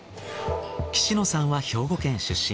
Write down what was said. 来住野さんは兵庫県出身。